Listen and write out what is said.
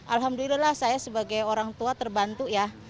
alhamdulillah saya sebagai orang tua terbantu ya